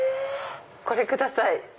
これください。